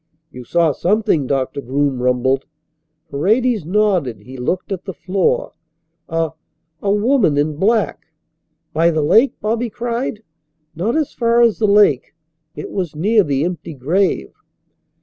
"You saw something," Doctor Groom rumbled. Paredes nodded. He looked at the floor. "A a woman in black." "By the lake!" Bobby cried. "Not as far as the lake. It was near the empty grave."